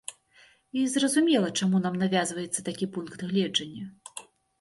І зразумела, чаму нам навязваецца такі пункт гледжання.